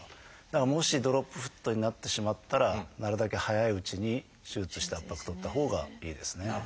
だからもしドロップフットになってしまったらなるだけ早いうちに手術して圧迫取ったほうがいいですね。